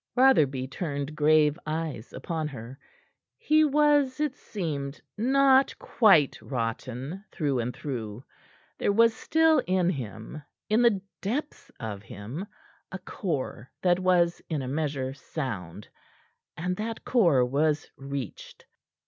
Rotherby turned grave eyes upon her. He was, it seemed, not quite rotten through and through; there was still in him in the depths of him a core that was in a measure sound; and that core was reached.